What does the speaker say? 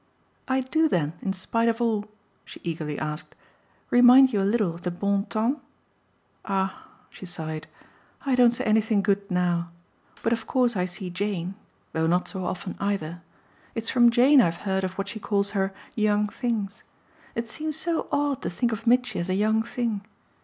"I do then, in spite of all," she eagerly asked, "remind you a little of the bon temps? Ah," she sighed, "I don't say anything good now. But of course I see Jane though not so often either. It's from Jane I've heard of what she calls her 'young things.' It seems so odd to think of Mitchy as a young thing.